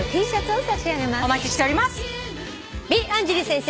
お待ちしております。